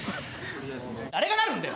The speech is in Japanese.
誰がなるんだよ！